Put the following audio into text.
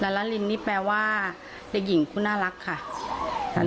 ลาลาลินนี่แปลว่าเด็กหญิงผู้น่ารักค่ะ